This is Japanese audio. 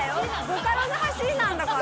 ボカロのはしりなんだから。